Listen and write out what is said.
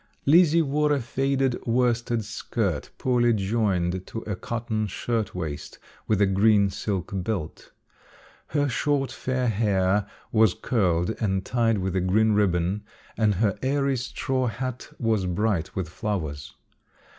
Lizzie wore a faded worsted skirt poorly joined to a cotton shirt waist with a green silk belt. Her short, fair hair was curled and tied with a green ribbon and her airy straw hat was bright with flowers.